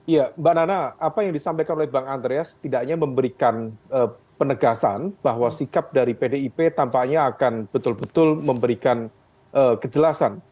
ya mbak nana apa yang disampaikan oleh bang andreas tidak hanya memberikan penegasan bahwa sikap dari pdip tampaknya akan betul betul memberikan kejelasan